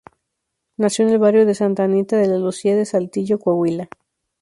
Nació en el barrio de Santa Anita de la ciudad de Saltillo, Coahuila.